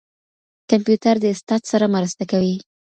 کمپيوټر د استاد سره مرسته کوي.